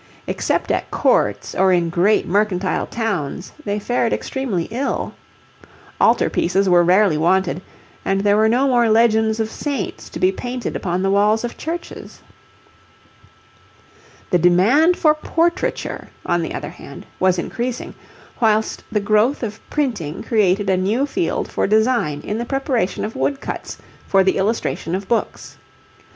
Except at courts or in great mercantile towns they fared extremely ill. Altar pieces were rarely wanted, and there were no more legends of saints to be painted upon the walls of churches. The demand for portraiture, on the other hand, was increasing, whilst the growth of printing created a new field for design in the preparation of woodcuts for the illustration of books.